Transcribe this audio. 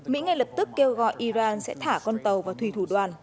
mỹ ngay lập tức kêu gọi iran sẽ thả con tàu vào thủy thủ đoàn